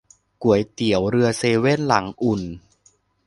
ก๋วยเตี๋ยวเรือเซเว่นหลังอุ่น